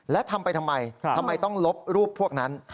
และทำไปทำไมทำไมต้องลบรูปพวกนั้น